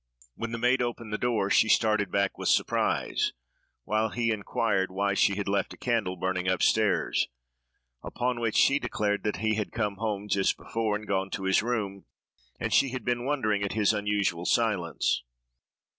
When the maid opened the door, she started back with surprise, while he inquired why she had left a candle burning up stairs; upon which she declared that he had come home just before, and gone to his room, and she had been wondering at his unusual silence.